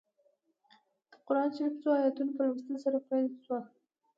د قران شریف څو ایتونو په لوستلو سره پیل شوه.